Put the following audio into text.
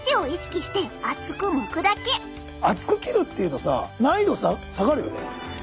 厚く切るっていうとさ難易度下がるよね。